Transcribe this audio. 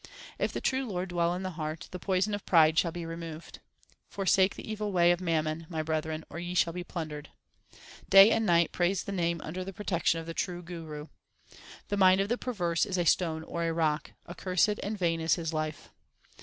If the true Lord dwell in the heart, the poison of pride shall be removed. Forsake the evil way of mammon, my brethren, or ye shall be plundered. Day and night praise the Name under the protection of the true Guru. The mind of the perverse is a stone or a rock ; accursed and vain is his life.